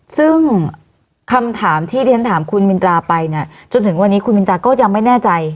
ซึ่งคำถามที่เรียนถามคุณมินตราไปเนี่ยจนถึงวันนี้คุณมินตราก็ยังไม่แน่ใจ